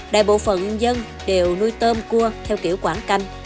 đại bộ phận dân đều nuôi tôm cua theo kiểu quảng canh